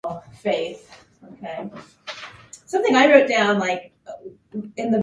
She, too, is standing on one leg, and the soldier falls in love.